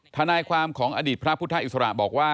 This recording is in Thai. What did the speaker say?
ทนายความของอดีตพระพุทธอิสระบอกว่า